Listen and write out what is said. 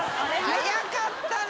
早かったな。